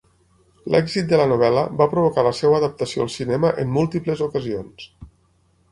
L'èxit de la novel·la va provocar la seva adaptació al cinema en múltiples ocasions.